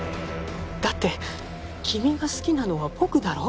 だって君が好きなのは僕だろ？